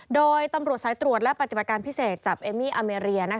โดยตำรวจสายตรวจและปฏิบัติการพิเศษจับเอมมี่อเมรีย